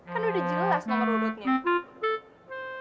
kan udah jelas nomor urutnya